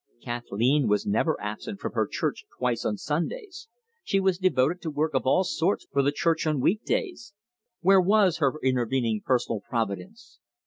Kathleen was never absent from her church twice on Sundays; she was devoted to work of all sorts for the church on week days where was her intervening personal Providence?